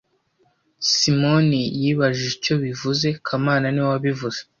Simoni yibajije icyo bivuze kamana niwe wabivuze